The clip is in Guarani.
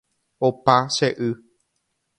Opa che y.